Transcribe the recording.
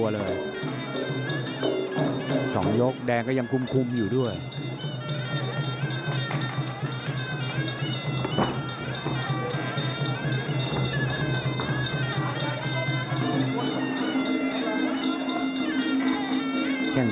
อัศวินาฬิกาศาสุภาษณ์สุภาษณ์อัศวินาฬิกาศาสุภาษณ์